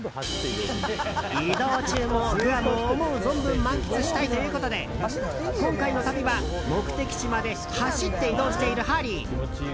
移動中もグアムを思う存分満喫したいということで今回の旅は目的地まで走って移動しているハリー。